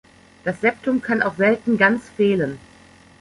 Das Septum kann auch selten ganz fehlen.